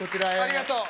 ありがとう。